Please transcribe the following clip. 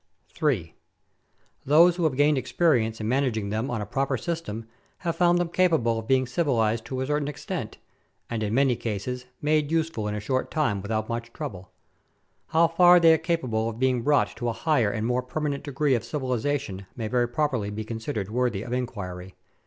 3. Those who have gained experience in managing them on a proper system have found them capable of being civilized to a certain extent, and, in many cases, made useful in a short time without much trouble. How far they are capable of being brought to a higher aud more permanent degree of civilization may very properly be considered worthy of inquiry.